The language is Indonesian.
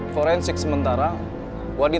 pak beres diwakil